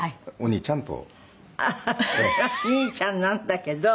兄ちゃんなんだけど。